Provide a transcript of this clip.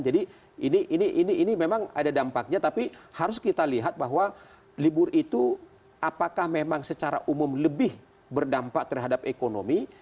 jadi ini memang ada dampaknya tapi harus kita lihat bahwa libur itu apakah memang secara umum lebih berdampak terhadap ekonomi